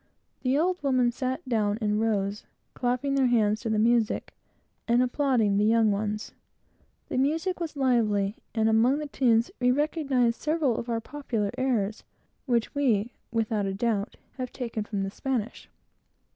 The old women sat down in rows, clapping their hands to the music, and applauding the young ones. The music was lively, and among the tunes, we recognized several of our popular airs, which we, without doubt, have taken from the Spanish.